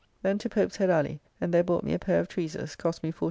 Then to Pope's Head Ally, and there bought me a pair of tweezers, cost me 14s.